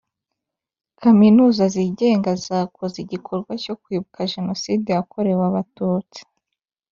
Kaminuza zigenga zakoze igikorwa cyo kwibuka jenoside yakorewe abatutsi